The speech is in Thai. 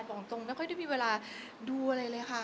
แต่เองจีบไม่ค่อยได้มีเวลาอยู่ดูนจริง